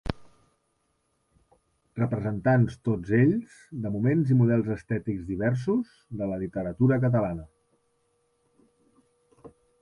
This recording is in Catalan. Representants tots ells de moments i models estètics diversos de la literatura catalana.